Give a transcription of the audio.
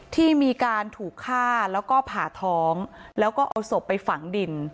ที่มีการถูกฆ่าแล้วก็ผ่าท้องแล้วก็เอาศพไปฝังดิน